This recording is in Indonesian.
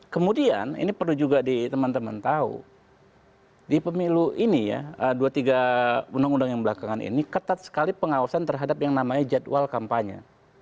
kemudian ini perlu juga di teman teman tahu di pemilu ini ya dua tiga undang undang yang belakangan ini ketat sekali pengawasan terhadap yang namanya jadwal kampanye